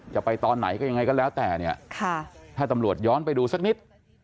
จะไปตอนไหนก็ยังไงก็แล้วแต่เนี่ยถ้าตำรวจย้อนไปดูสักนิด